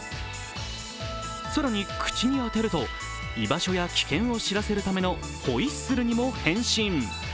更に口に当てると居場所や危険を知らせるためのホイッスルにも変身。